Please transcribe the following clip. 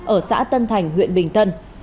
ở xã tân thành huyện bình tân